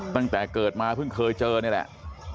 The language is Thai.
ตั้งแต่เกิดมาเพิ่งเคยเจอนี่แหละ